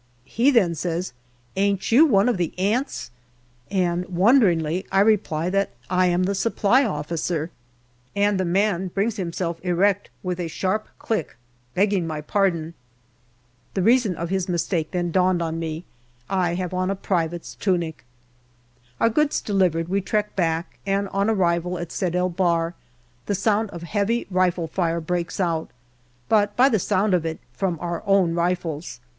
He then says, " Ain't you one of the 'Ants ?" and wonderingly I reply that I am the Supply Officer, and the man brings himself erect with a sharp click, begging my pardon. The reason of his mistake then dawned on me ; I have on a private's tunic. Our goods delivered, we trek back, and on arrival at Sed el Bahr the sound of heavy rifle fire breaks out, but by the sound it is from our own rifles.